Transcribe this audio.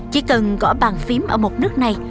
chỉ cần gõ bàn phím ở một nước này